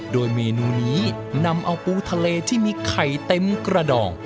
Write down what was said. โดยเมนูนี้นำเอาปูทะเลที่มีไข่เต็มกระดอง